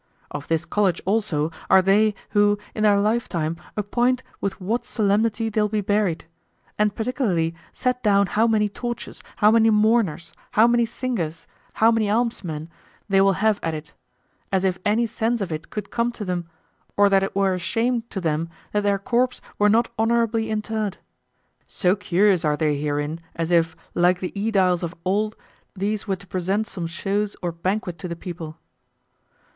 Of this college also are they who in their lifetime appoint with what solemnity they'll be buried, and particularly set down how many torches, how many mourners, how many singers, how many almsmen they will have at it; as if any sense of it could come to them, or that it were a shame to them that their corpse were not honorably interred; so curious are they herein, as if, like the aediles of old, these were to present some shows or banquet to the people.